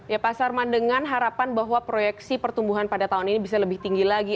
ya pak sarman dengan harapan bahwa proyeksi pertumbuhan pada tahun ini bisa lebih tinggi lagi